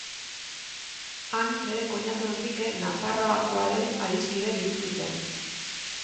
Han bere koinatu Henrike Nafarroakoaren adiskide bihurtu zen.